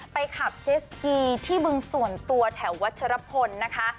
ขับเจสกีที่บึงส่วนตัวแถววัชรพลนะคะ